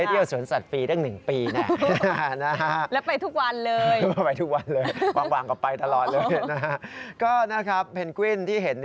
อู้ผู้ที่ชนะตั้งแต่เด็กเลยอะตอน๑